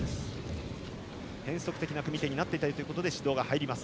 変則的な組み手になっていたということで指導が入ります。